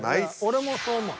俺もそう思う。